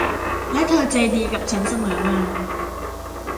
และเธอใจดีกับฉันเสมอมา